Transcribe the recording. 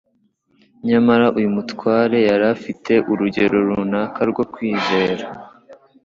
Nyamara uyu mutware yari afite urugero runaka rwo kwizera;